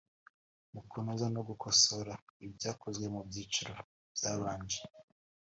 mu kunoza no gukosora ibyakozwe mu byiciro byabanje